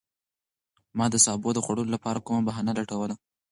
ما د سابو د خوړلو لپاره کومه بهانه لټوله.